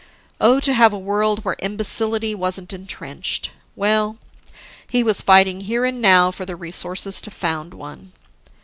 Oh, to have a world where imbecility wasn't entrenched! Well he was fighting here and now for the resources to found one.